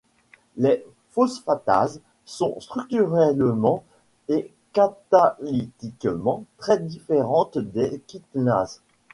Les phosphatases sont structurellement et catalytiquement très différentes des kinases.